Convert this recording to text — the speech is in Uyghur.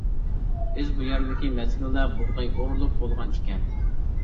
بىز بۇ يەردىكى مەزگىلدە بۇغداي ئورۇلۇپ بولغان ئىكەن.